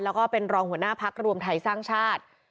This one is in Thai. แล้วก็เป็นรองหัวหน้าพักรวมไทยสร้างชาติ